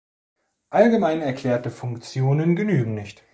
Allgemein erklärte Funktionen genügen nicht.